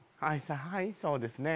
はいそうですね